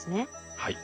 はい。